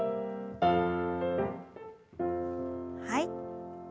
はい。